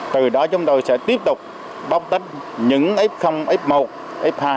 từ đó chúng tôi sẽ tiếp tục bóc tách những f f một f hai